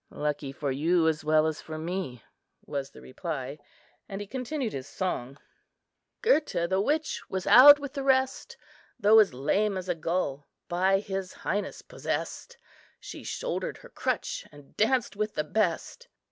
"Lucky for you as well as for me," was the reply: and he continued his song:— "Gurta, the witch, was out with the rest; Though as lame as a gull, by his highness possessed, She shouldered her crutch, and danced with the best.